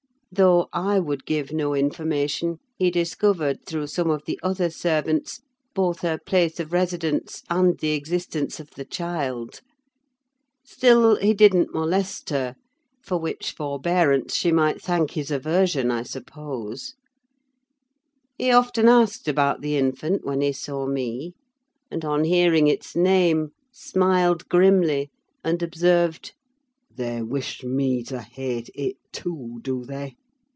Though I would give no information, he discovered, through some of the other servants, both her place of residence and the existence of the child. Still, he didn't molest her: for which forbearance she might thank his aversion, I suppose. He often asked about the infant, when he saw me; and on hearing its name, smiled grimly, and observed: "They wish me to hate it too, do they?"